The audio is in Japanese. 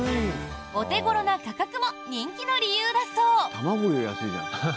お手頃な価格も人気の理由だそう。